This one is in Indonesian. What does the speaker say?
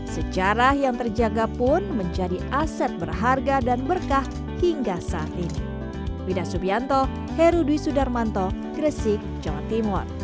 sejarah yang terjaga pun menjadi aset berharga dan berkah hingga saat ini